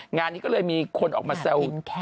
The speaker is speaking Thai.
งานนี้ก็เลยมีคนออกมาแซว